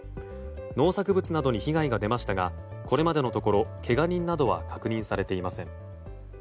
農作物などに被害が出ましたがこれまでのところ、けが人などは確認されていません。